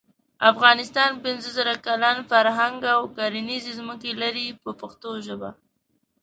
افغانستان پنځه زره کلن فرهنګ او کرنیزې ځمکې لري په پښتو ژبه.